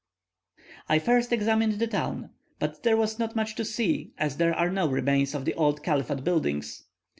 I first examined the town, but there was not much to see, as there are no remains of the old Caliphate buildings.